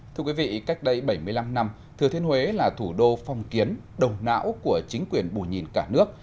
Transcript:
thưa quý vị cách đây bảy mươi năm năm thừa thiên huế là thủ đô phong kiến đầu não của chính quyền bù nhìn cả nước